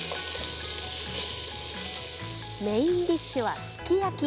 メインディッシュはすき焼き。